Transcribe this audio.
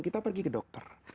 kita pergi ke dokter